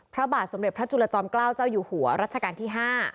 พระบาทสมเด็จพระจุลจอมเกล้าเจ้าอยู่หัวรัชกาลที่๕